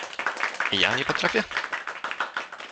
— Ja nie potrafię?